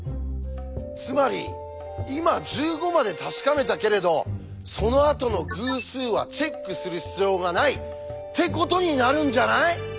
つまり今１５まで確かめたけれどそのあとの偶数はチェックする必要はない！ってことになるんじゃない？